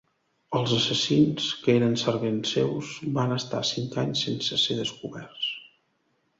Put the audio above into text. Els assassins, que eren servents seus, van estar cinc anys sense ser descoberts.